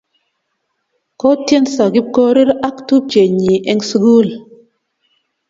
Kotyenso Kipkorir ak tupchennyi eng' sukul